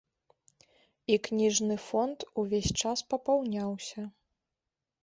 І кніжны фонд увесь час папаўняўся.